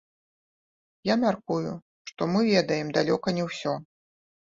Я мяркую, што мы ведаем далёка не ўсё.